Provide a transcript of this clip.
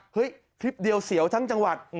คลิปเดียวเสียวทั้งจังหวัด